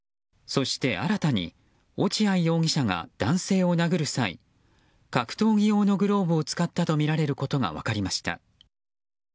そして新たに落合容疑者が男性を殴る際格闘技用のグローブを使ったとみられることが分かりました。